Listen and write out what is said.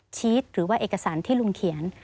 ชีสหรือว่าเอกสารที่ลุงเขียน